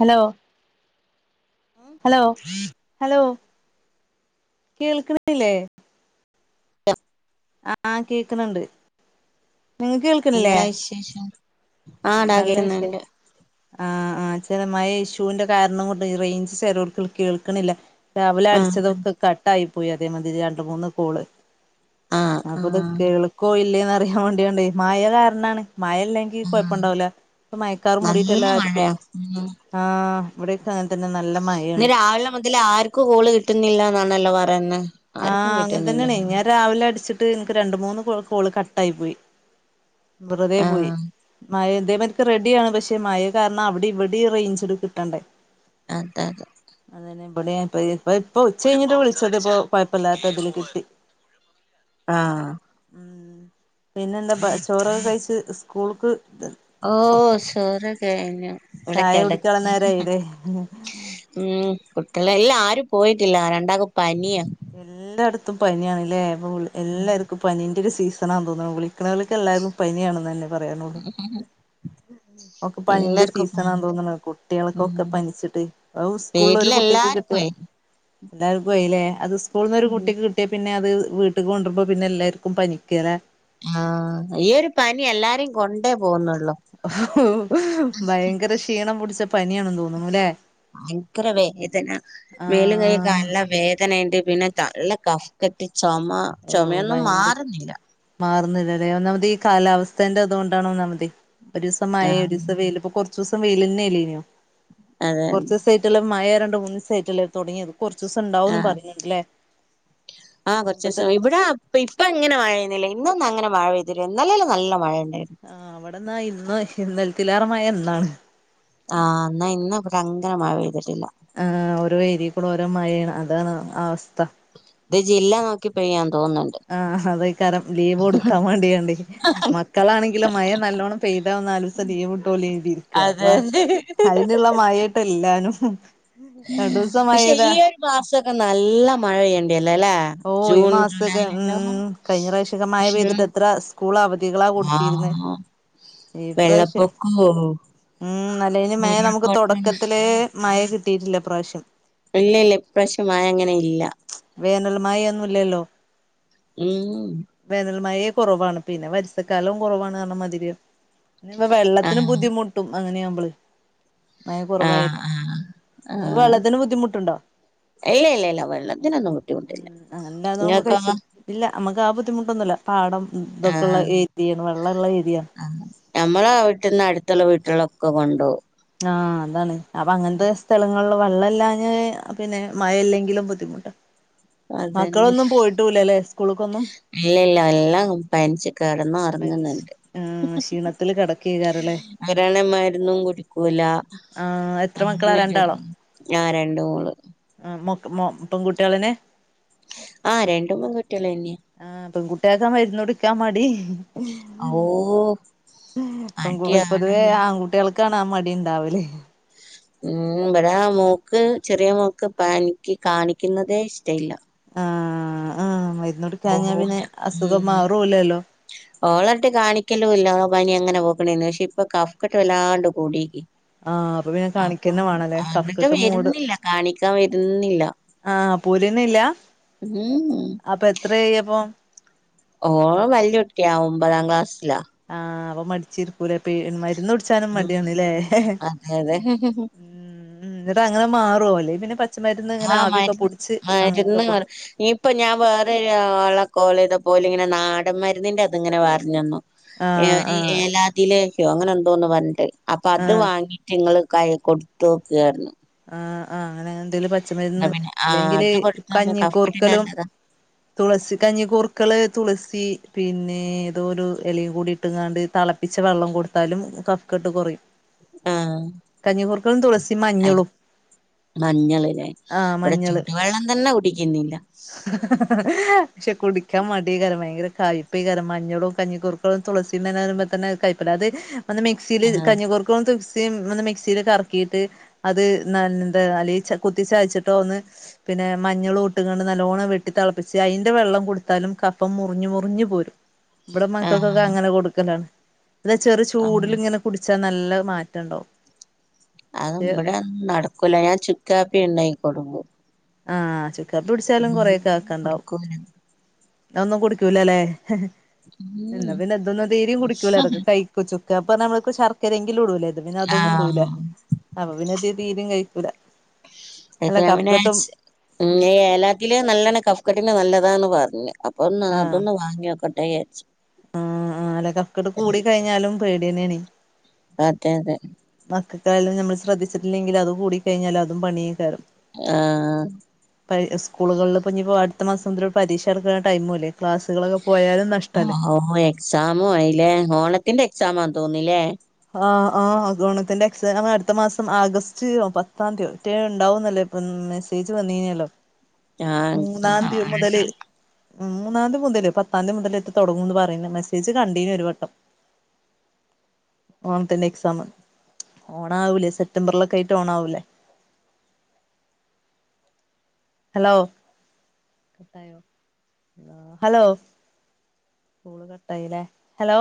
Hello ആഹ് hello hello കേൾക്ണില്ലേ ആഹ് കേക്ന്ണ്ട് നിങ്ങ കേൾ ഇന്നലെ [unintelligible] നല്ല വിഷ ആഹ് ആഹ് ചലമഴ ഇഷ്യൂന്റെ കാരണം കൊണ്ട് റേഞ്ച് ചരടുത്ത് കേൾക്കണില്ല രാവിലെ ആഹ് അടിച്ചതൊക്ക കട്ടായി പോയി അതേ മതിരി രണ്ട് മൂന്ന് കോള് ആഹ് അപ്പത് ആഹ് കേൾക്കോ ഇല്ലെ ന്ന് അറിയാൻ വേണ്ടിയാണ്ടേ മഴ കാരണാണ് മഴ ഇല്ലങ്കി ആഹ് കൊയപ്പണ്ടാവൂല ഇപ്പ മയക്കാറ് മുടിയിട്ട് നല്ല എല്ലാർക്കും മഴയാ ഉം ഇന്ന് ആഹ് ഇവിടെക്കെ അങ്ങനെ തന്നെ നല്ല മഴയണ് തില് ആർക്കും കോൾ കിട്ടുന്നില്ലനാണല്ലോ പറയന്നേ ആഹ് അങ്ങന തന്നണേ ഞാൻ രാവിലെ അടിച്ചിട്ട് നിക്ക് രണ്ട് മൂന്ന് കോള് കട്ടായി പോയി വെറുതെ പോയി ആഹ് [unintelligible] റെഡിയാണ് പക്ഷേ മഴയെ കാരണം അവിടെ ഇവിടെ റേഞ്ച് കിട്ടണ്ടേ അത ത അതന്നേ ഇബടെ ഇപ്പൊ ഉച്ച കഴിഞ്ഞിട്ട് വിളിച്ചത് ഇപ്പൊ കൊഴപ്പല്ലാത്തതിൽ കിട്ടി ആഹ് പിന്നന്താ ചോറൊക്കെ കഴിച്ച് സ്കൂൾക്ക് ഓ സോറകഴിഞ്ഞു ഇവിട ചായ കടക്ക കുടിക്കാള്ള നേരായില്ലേ മം കുട്ടിയൾ ഇല്ല ആരും പോയിട്ടില്ല രണ്ടാക് പനിയ എല്ലാടത്തും പനിയാണ്ല്ലേ എല്ലാർക്കും പനി രു സീസണാ തോനൂ വിളിക്കണലോക്ക് എല്ലാരും പനിയാണ് നന്നേ പറയണുള്ളു ഒക്കെ പനിന്റെ എല്ലാർക്കും സീസണാ പനി തോനുണ് ഉം കുട്ട്യൾകൊക്ക പന്ച്ചിട്ട് സ്കൂൾ ഒരു കുട്ടിക്ക് കിട്ടിയ വീട്ടിലെല്ലാർക്കുവേ എല്ലാർക്കും യില്ലേ അത് സ്കൂൾന്ന് ഒരു കുട്ടിക്ക് കി ട്ടിയ പിന്ന അത് വീട്ട്ക് കൊണ്ടു വരുമ്പോ പിന്നെ എല്ലാർക്കും പനിക്കലെ ആഹ് ഈ യ്യൊരു പനി എല്ലാരേും കൊണ്ടേ പോന്നുള്ളു ഭയങ്കര ഷീണം പിടിച്ച പനിയാണന്ന് തോന്നുണു ല്ലെ ഭയങ്കര വേദന മേലും കൈയ്യ് ആഹ് ക്കനല്ല വേദനയിണ്ട് പിന്ന നല്ല കഫകെട്ട് ചൊമ ചുമയൊന്നും മാറുന്നില്ല മാറുന്നില്ല അല്ലെ ഒന്നാമത് ഈ കാലാവസ്ഥേന്റെ തു കൊണ്ടാണ ഒന്നാമതി ഒരു ദിവസം മഴ ആണേൽ വേറെ ആഹ് ദിവസം വെയില കൊറച്ച് സം വെയിലന്നെലന അതെ കുറിച് സൈറ്റില് മയരോണ്ട് മൂന്ന് സൈറ്റില് തൂണിയും കൊറച്ചുസം ഉണ്ടാവന്ന് ആഹ് പറഞ്ഞ് ല്ലെ ആഹ് കുറച്ച് മുമ്പത്തെ ദിവസം ഇവിടെ ഇപ്പ ഇങ്ങനെ മഴ പെയ്യുന്നില്ല ഇന്നൊന്നും അങ്ങനെ മഴ പെയ്തില്ല ഇന്നലെ എന്നാലാലും നല്ല മഴ ഉണ്ടായിരുന്നു ആഹ് ഇവിടെ ഇന്ന് ഇന്നോ നെൽത്തിലാറ മഴ ഇന്നാണ് ആ ഹ്എന്നാ ഇന്ന് ഇ അങ്ങനെ മഴ പെയ്തിട്ടില്ല ആഹ് ഓരോ ഏരിയ കൂടെ ഓരോ മയാണ് അതാണ് ആഹ് അവസ്ഥ ഇത് ജില്ല പെയ്യാൻ തോന്നുന്നുണ്ട് ആഹ് അത കാരം ലീവ് കൊടുക്കാൻ വേണ്ടിയണ്ടേ മ മക്കളാന്നെങ്കില് മഴ നല്ലോണ്ണം പെയ്താവുന്ന ആ നാല് ദിവസം ലീവ് കിട്ടൂലോ നീ കരുതിയിരിക്കുക അതെ അപ്പൊ അതെ അതിനുള്ള മഴ ഇപ്പല്ലാനും പക്ഷെ ഈ ഒരു മാസക്കെ നല്ല മഴ പെയ്യേണ്ടല്ല ല്ലേ ഓഹ് ഈ മാസൊക്കെ ഉമ് കഴിഞ്ഞ പ്രാവശ്യക്കെ മഴ പക്ഷെ പെയ്തിട്ട് എത്ര സ്കൂൾ അവധി ആവതികളാ കൊടുത്തിരുന്നെ ആഹ് ഈ പ്രാവശ്യം വെള്ളപ്പൊക്കവും ഉമ് അല്ലേൽ മെ നമുക്ക് ഉരുൾപൊട്ടലും തുടക്കത്തിലെ മഴ കിട്ടിയിട്ടില്ല ഇ പ്രാശ്യം ഇല്ല ഇല്ല ഇപ്രാവിശ്യം മഴ അങ്ങനെ ഇല്ല വേനൽ മഴ ഒന്നും ല്ലല്ലോ ഉമ് വേനൽ മഴയെ കുറവാണ് പിന്നെ വരിസ ക്കാലവും കുറവാണ് പറഞ്ഞ മതിരിം ഇനിപ്പ വെള്ളത്തിന് ആഹ് ബുദ്ധിമുട്ടും അങ്ങനെയാവുമ്പ അയ കുറവായി ആഹ് ആഹ് നിങ്ങക്ക് ആഹ് വെള്ളത്തിന് ബുദ്ധിമുട്ടുണ്ടോ ഇല്ല ഇല്ല ഇല്ല വെള്ളത്തിനൊന്നും ബുദ്ധിമുട്ടില്ല [unintelligible] ഇല്ല ഇങ്ങക്കോ നമ്മുക്ക് ബുദ്ധിമുട്ടൊന്നു ഇല്ല പാടം ഇതൊക്കെയുള്ള ആഹ് ഏരിയ [unintelligible] വെള്ള ഏരിയാണ് ആഹ് നമ്മള വീട്ടന്ന് അടുത്തുള്ള വീട്ടിലൊക്കെ കൊണ്ടുവും ആഹ് അതാണ് അപ്പൊ അങ്ങനത്തെ സ്ഥലങ്ങ വെള്ളല്ലാ ഞാ പിന്നെ മഴല്ലെങ്കിലും ബുദ്ധിമുട്ട അതന്നെ മക്കളൊന്നും പോയിട്ടുല്ല ല്ലേ സ്കൂളക്കൊന്നും ഇല്ല ഇല്ല എല്ലാം പനിച്ചു കേടൊന്നോ ഓർക് പരീക്ഷ ആഹ് ക്ഷിണത്തിൽ കിടകേക്കാരം ല്ലേ ഇവരണേൽ മരുന്നും കുടിക്കൂല ആഹ് എത്ര മക്കളാ അങ്ങനെരു ഞാൻ രണ്ട് മൂന്നു ആഹ് മോ മുട്ടൻ കുട്ടികള് തന്നെ ആഹ് രണ്ടും പെണ്ണ് കുട്ടികളന്നെ ആഹ് പെൺകുട്ടിയക്ക മരുന്ന് കുടിക്കാൻ മടി അഹൂ ഹ് പെ പൊതുവേ ആൺകുട്ടികൾക്കാണ് ആ മടി ഇണ്ടാവല് ഉമ് ഇവിടെ മോക് ചെറിയ മോക് പനിക്ക് കാണിക്കുന്നതേ ഇഷ്ടല്ല ആഹ് ആഹ് മരുന്നോടിക്കഞ്ഞാ പോവൂല പിന്നെ അസുഖം ഉം മാവറുംല്ലല്ലോ ഓളെ ട്ട കാണിക്കലോ ഇല്ല പനി എങ്ങനെ പോക്കണന്ന് പക്ഷെ ഇപ്പൊ കഫ്കെട്ട് വല്ലാണ്ട് കൂടീക്ക് ആ അപ്പൊ പിന്നെ അപ്പൊ കാണിക്കന്നെ വേണല്ലേ കഫക്കെട്ട് [unintelligible] വരുന്നില്ല കാണിക്കാൻ വരുന്നില്ല ആഹ് പോരുന്നില്ല ഉം അപ്പ എത്രയ അപ്പൊ ഓൻ വല്ല്യ കുട്ടിക്കിയാ ഒമ്പതാം ക്ലാസ്സിലാ ആഹ് അപ്പൊ മടിച്ചിരിക്കൂലേ പെ മരുന്ന് കുടിച്ചാലും ഉം മടിയാണ് ല്ലേ അതെ അതെ ഉം എന്നിട്ടങ്ങനെ മാറോ അല്ലേ പിന്നെ പച്ചമരുന്ന് ഇങ്ങനെ ആഹ് ആവിയൊക്കെ മരുന്ന് പുടിച്ച് അങ്ങനൊക്കെ മരുന്ന് പോ പറ ഇപ്പൊ ഞാൻ വേറൊരു ആളേക്കോളെയ്തപോ ഓല്ഇങ്ങെനെ നാടൻ മരുന്നിന്റെ അതിങ്ങനെ പറഞ്ഞന്നു. ആ ഏ ആ ഒരു ഏലാതിലേഹ്യോ അങ്ങനെ എന്തോന്ന് പറഞ്ഞിട്ട്. അപ്പൊ അത് ആ വാങ്ങിട്ട് ഇങ്ങള് കൈ കൊടുത്തു നോക്കാര്ന്നു ആ ആ് അങ്ങനെ എന്തേലും എന്നാ പച്ചമരുന്ന് പിന്നെ ആഹ് അല്ലെങ്കില് അത് കൊടുത്താല് കഫക്കെട്ടിന് കഞ്ഞിക്കൂർക്കലും. നല്ലതാ. തുളസി കഞ്ഞിക്കൂർക്കള് തുളസി പിന്നെ ഏതോ ഒരു ഇലയും കൂടി ഇട്ട്ങ്ങാണ്ട് തളപ്പി. പ്പിച്ച വെള്ളം കൊടുത്താലും കഫ്കെട്ട് കുറയും. ആഹ് കഞ്ഞിക്കൂർക്കയും തുളസിയും മഞ്ഞളും മഞ്ഞള് ലെ ആഹ് ഇവിടെ മഞ്ഞള് ചൂടു വെള്ളം തന്നെ കുടിക്കുന്നില്ല. ഹ ഹ പക്ഷെ കുടിക്കാൻമടിയേക്കാരും ഭയങ്കര കയിപേ കാരും മഞ്ഞളും കഞ്ഞി കൂർക്ക തുളസി [unintelligible] വെക്കുന്ന കയ്പ്പല്ലേ അത്. അത് മിക്സിൽ ആഹ് കഞ്ഞിക്കുർക്കൊന്ന് [unintelligible] മിക്സിൽ കറക്കിയിട്ട് അത്. ന എന്താ അല്ലെ കുത്തിച്ചയച്ചിട്ടോ ഒന്ന്. പിന്നെ മഞ്ഞളുട്ടിങ്ങാണ്ട് നല്ലോണ്ണം വെട്ടി തിളപ്പിച്ച് അതിന്റെ വെള്ളം കൊടുത്താലും കഫം മുറിഞ്ഞ് മുറിഞ്ഞ് പോരും. ഇവിടെ മക്കക്കൊക്കെ ആഹ് അങ്ങനെ കൊടുക്കലാണ് അതാ ചെറു ചൂടിൽ ആഹ് ഇങ്ങനെ. കുടിച്ചാ നല്ല മാറ്റം ഇണ്ടാവും. അത് ഇവിടെ നടക്കൂല ഞാൻ ചുക്കാപ്പി ഇണ്ടാക്കി കൊടുക്കും. ആഹ് ചുക്കാപ്പി കുടിച്ചാലും ഉം കുറെയൊക്കെ ആക്കണ്ടാവും. കൊടുക്കൂല അതൊന്നും കുടിക്കൂലല്ലേ ഉം ന്നാ പിന്നെതൊന്നും തീരിം കുടിക്കൂല ഇതൊക്കെ കൈ [unintelligible] നമ്മക്ക് ശർക്കരയെങ്കിലും ഇടൂലേ. അത് പിന്നെ അതൊന്നും ഇടൂല ആഹ് അപ്പൊ പിന്നെ തി തീരും കയിക്കൂല അല്ല അതൊക്കെ ഞാൻ കഫ പിന്നെ കെട്ടും. ച്ച് ഉം എ ഏലാദിലേ നലോണം കഫക്കെട്ടിന് നല്ലതാന്ന് പറഞ്ഞ് അപ്പൊ അതൊന്ന് വാങ്ങിയോക്കട്ടെ. [unintelligible] ആ ആ അല്ല കഫക്കട് കൂടി കഴിഞ്ഞാലും പേടിയന്നെയാണ്. അതെയതെ മക്കക്കായാലും ഞമ്മൾ ശ്രദ്ധിച്ചിട്ടില്ലെങ്കിൽ അത് കൂടി കഴിഞ്ഞാൽ അതും പണിയേകാറും. ആഹ് പ സ്കൂളുകളിൽ ഇപ്പ ഞ്ഞിപ്പോ അടുത്ത മാസം മുതൽ പരീക്ഷ നടക്കുന്ന ടൈമും അല്ലേ? ക്ലാസ്സുകളൊകെ പോയാലും നഷ്ടല്ലേ? [unintelligible] എക്സാമുആയില്ലേ ഓണത്തിന്റെ എക്സാമാ ആന്ന്തോന്നില്ലേ? ആഹ ആഹ് ഓണത്തിന്റെ എക്സാം അടുത്ത മാസം ആഗസ്റ്റ് ഒൻ പത്താം തീയോ റ്റ ഇണ്ടാവുന്നല്ലേ. മ് മെസ്സേജ് വന്നീനല്ലോ ഞങ്ങക്ക് മൂന്നാംതീ ആഹ് സ മുതല്. ഉ മൂന്നാംതി മുതൽ പത്താന്തി മുതലൊ ഏത്തു തുടങ്ങുംന്ന് പറയുന്നേ മെസ്സേജ് കണ്ടീന് ഒരു വട്ടം. [inaudible] ഓണത്തിന്റെ എക്സാം ഓണാവൂലേ സെപ്റ്റംബറിലൊക്കെ ആയിട്ട് ഓണാവൂലേ? ഹലോ. ഹലോ കട്ടായില്ലേ ഹലോ.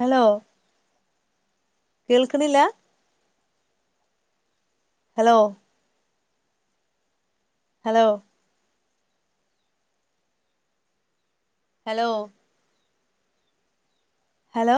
ഹലോ. കേൾക്ക്ണില്ല. ഹലോ. ഹലോ. ഹലോ. ഹലോ